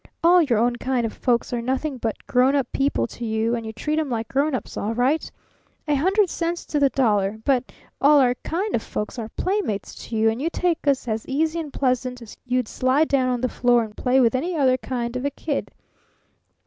All your own kind of folks are nothing but grown up people to you, and you treat 'em like grown ups all right a hundred cents to the dollar but all our kind of folks are playmates to you, and you take us as easy and pleasant as you'd slide down on the floor and play with any other kind of a kid.